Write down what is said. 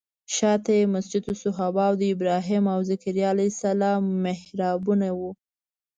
شاته یې مسجد صحابه او د ابراهیم او ذکریا علیه السلام محرابونه وو.